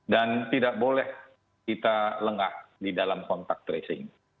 dan tidak boleh kita lengah di dalam kontak tracing